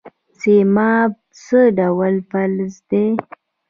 سیماب څه ډول فلز دی؟